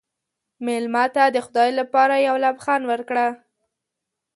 مېلمه ته د خدای لپاره یو لبخند ورکړه.